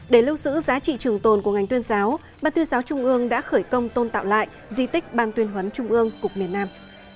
để lưu sử giá trị trường tồn của ngành tuyên giáo ban tuyên giáo trung ương đã khởi công tôn tạo lại di tích ban tuyên huấn trung ương cục miền nam